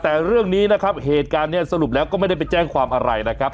แต่เรื่องนี้นะครับเหตุการณ์นี้สรุปแล้วก็ไม่ได้ไปแจ้งความอะไรนะครับ